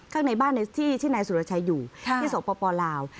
ข้างในบ้านที่นายสุรชัยอยู่ที่สปลาว